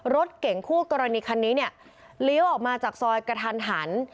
รถเก่งคู่กรณีคันนี้เนี่ยเลี้ยวออกมาจากซอยกระทันหัน